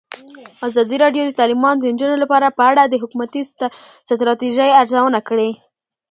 ازادي راډیو د تعلیمات د نجونو لپاره په اړه د حکومتي ستراتیژۍ ارزونه کړې.